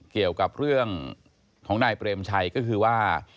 เกี่ยวกับเรื่องของนายเปรมชัยก็คือว่า